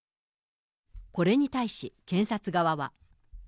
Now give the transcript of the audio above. これに対し、検察側は。